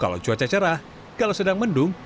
kalau cuaca cerah kalau sedang mendung